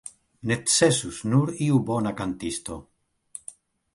Necesus nur iu bona kantisto.